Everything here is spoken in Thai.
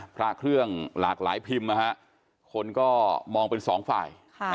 พระเครื่องหลากหลายพิมพ์นะฮะคนก็มองเป็นสองฝ่าย